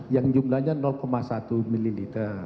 yang jumlahnya satu ml